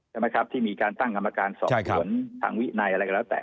ใช่ไหมครับที่มีการตั้งกรรมการสอบสวนทางวินัยอะไรก็แล้วแต่